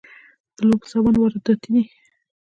د لوبو سامان وارداتی دی